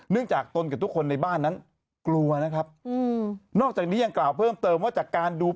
จากตนกับทุกคนในบ้านนั้นกลัวนะครับอืมนอกจากนี้ยังกล่าวเพิ่มเติมว่าจากการดู